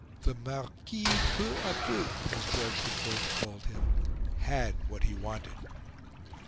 The "Marquis Peu a peu," as George IV called him, had what he wanted.